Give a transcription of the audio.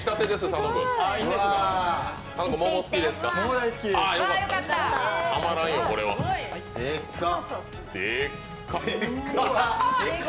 佐野君、桃好きですか？